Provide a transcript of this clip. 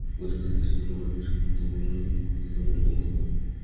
কলিকাতায় খুব গরম হলেও সেখানে আমার বেশ ঘুম হত এবং ক্ষুধাও মন্দ হত না।